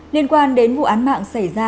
liên quan đến vụ án mạng xảy ra